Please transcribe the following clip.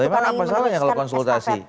emang apa salahnya kalau konsultasi